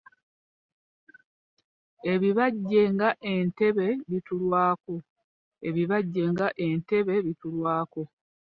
Ebibajje nga entebe bituulwako.